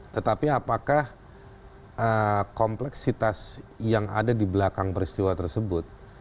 tetapi apakah kompleksitas yang ada di belakang peristiwa tersebut